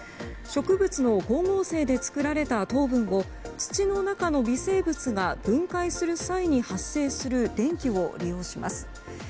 植物の光合成で作られた糖分を土の中の微生物が分解する際に発生する電気を利用します。